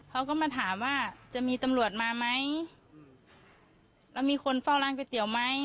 เขาก็มาถามว่าจะมีตำรวจมาไหมแล้วมีคนเฝ้าร้านก๋วยเตี๋ยวไหม